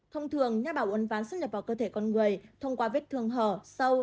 thông thường nhà bảo uấn ván xâm nhập vào cơ thể con người thông qua vết thương hở sâu